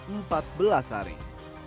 kelurahan sunterjaya aktif